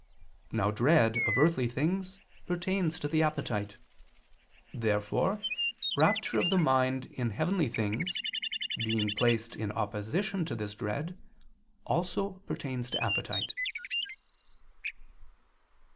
Now dread of earthly things pertains to the appetite. Therefore rapture of the mind in heavenly things, being placed in opposition to this dread, also pertains to the appetite.